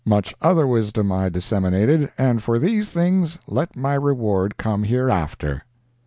Much other wisdom I disseminated, and for these things let my reward come hereafter."